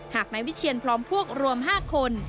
หากนายวิเชียนพร้อมพวกรวม๕คน